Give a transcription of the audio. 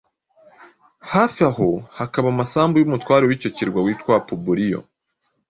Hafi aho hakaba amasambu y’umutware w’icyo kirwa witwa Pubuliyo.